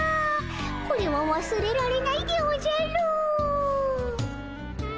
これはわすれられないでおじゃる。